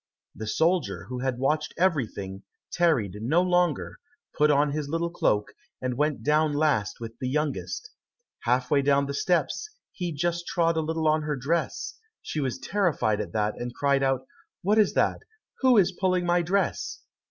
The soldier, who had watched everything, tarried no longer, put on his little cloak, and went down last with the youngest. Half way down the steps, he just trod a little on her dress; she was terrified at that, and cried out, "What is that? who is pulling my dress?"